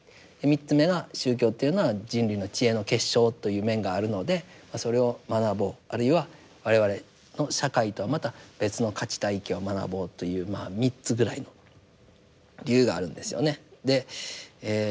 ３つ目が宗教っていうのは人類の知恵の結晶という面があるのでそれを学ぼうあるいは我々の社会とはまた別の価値体系を学ぼうというまあ３つぐらいの理由があるんですよね。